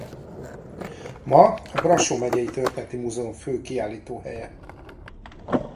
Ma a Brassó Megyei Történeti Múzeum fő kiállítóhelye.